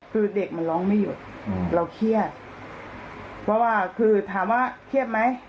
คือเด็กมันร้องไม่หยุดเราเครียดเพราะว่าคือถามว่าเครียดไหม